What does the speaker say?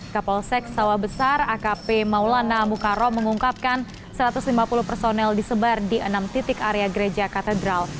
kapolsek sawah besar akp maulana mukaro mengungkapkan satu ratus lima puluh personel disebar di enam titik area gereja katedral